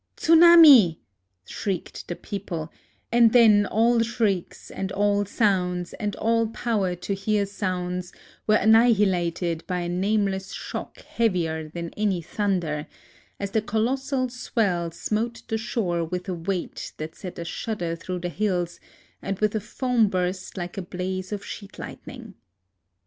" Tsunami I " shrieked the people ; and then all shrieks and all sounds and all power to hear sounds were annihilated by a nameless shock heavier than any thunder, as the colos sal swell smote the shore with a weight that sent a shudder through the hills, and with a foam burst like a blaze of sheet lightning.